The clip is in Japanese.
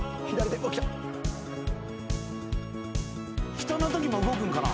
人のときも動くんかな？